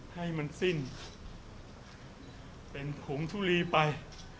ให้มันสิ้นเป็นผงทุรีไป